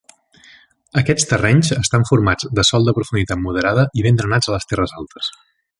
Aquests terrenys estan formats de sòl de profunditat moderada i ben drenats a les terres altes.